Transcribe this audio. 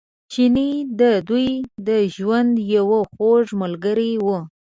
چیني د دوی د ژوند یو خوږ ملګری و.